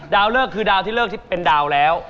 เลิกคือดาวที่เลิกที่เป็นดาวแล้ว